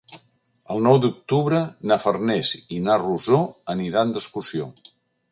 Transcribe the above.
El nou d'octubre na Farners i na Rosó aniran d'excursió.